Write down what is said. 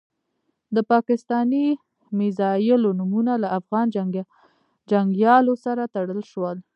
د پاکستاني میزایلو نومونه له افغان جنګیالیو سره تړل شول.